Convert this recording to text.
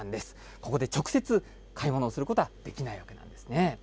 ここで直接、買い物をすることはできないわけなんですね。